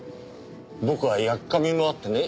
僕はやっかみもあってね